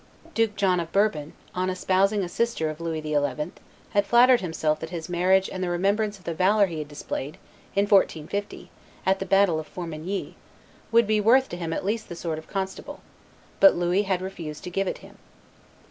Duke John of Bourbon, on espousing a sister of Louis XI., had flattered himself that this marriage and the remembrance of the valor he had displayed, in 1450, at the battle of Formigny, would be worth to him at least the sword of constable; but Louis had refused to give it him.